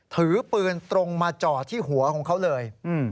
ถือปืนตรงมาจ่อที่หัวของเขาเลย